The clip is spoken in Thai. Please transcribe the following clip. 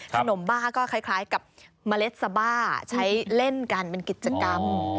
ขนมบ้าก็คล้ายกับเมล็ดสบ้าใช้เล่นกันเป็นกิจกรรม